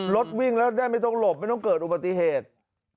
รถวิ่งแล้วได้ไม่ต้องหลบไม่ต้องเกิดอุบัติเหตุ